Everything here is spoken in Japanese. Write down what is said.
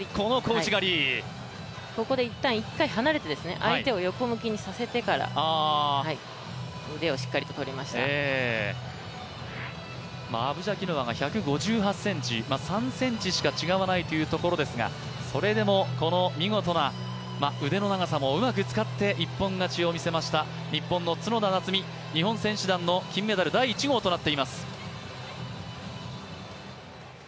ここで一旦、一度離れて、相手を横にしてからアブジャキノワが１５８ｃｍ、３ｃｍしか違わないところですが、それでも見事な、腕の長さもうまく使って一本勝ちを見せました日本の角田夏実、日本選手団の金メダル第１号となっています。